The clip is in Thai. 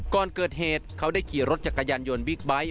ก่อนเกิดเหตุเขาได้ขี่รถจักรยานยนต์บิ๊กไบท์